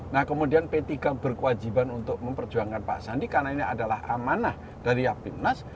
nah kemudian p tiga berkewajiban untuk memperjuangkan pak sandi karena ini adalah amanah dari apimnas